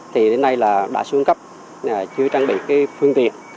thì đến nay là đã xuân cấp chưa trang bị phương tiện